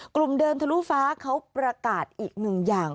กลุ่มเดินทะลุฟ้าเขาประกาศอีก๑อย่าง